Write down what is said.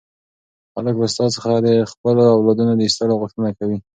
خلک به ستا څخه د خپلو اولادونو د ایستلو غوښتنه کوي.